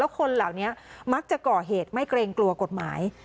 คนเหล่านี้มักจะก่อเหตุไม่เกรงกลัวกฎหมาย